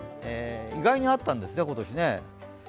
意外にあったんですね、今年ね。